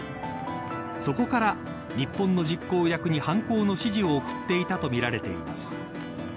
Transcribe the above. そこから、日本の実行役に犯行の指示を送っていたとみられています。